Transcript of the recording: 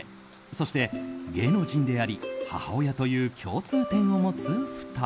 そして芸能人であり母親という共通点を持つ２人。